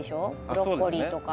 ブロッコリーとか。